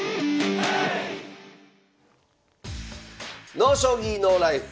「ＮＯ将棋ＮＯＬＩＦＥ」